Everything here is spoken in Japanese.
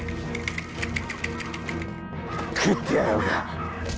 食ってやろうか！